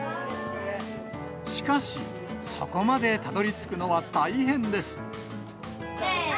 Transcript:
しかし、そこまでたどりつくのはせーの！